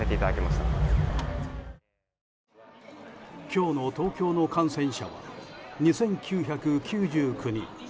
今日の東京の感染者は２９９９人。